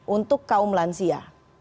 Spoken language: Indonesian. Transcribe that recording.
untuk kaum lansia